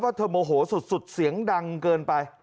เธอโมโหสุดเสียงดังเกินไป